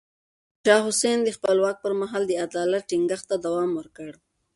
احمد شاه حسين د خپل واک پر مهال د عدالت ټينګښت ته دوام ورکړ.